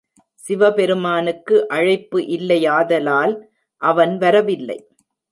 சிவபெருமானுக்கு அழைப்பு இல்லையாதலால் அவன் வரவில்லை.